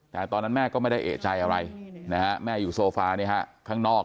แต่ตอนนั้นแม่ก็ไม่ได้เอกใจอะไรนะฮะแม่อยู่โซฟาข้างนอก